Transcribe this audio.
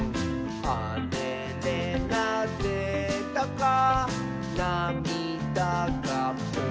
「あれれなぜだかなみだがポロリ」